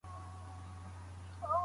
دولتي پوهنتون له پامه نه غورځول کیږي.